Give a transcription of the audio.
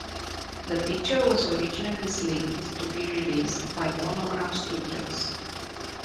The picture was originally slated to be released by Monogram Studios.